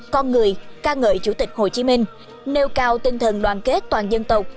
con người ca ngợi chủ tịch hồ chí minh nêu cao tinh thần đoàn kết toàn dân tộc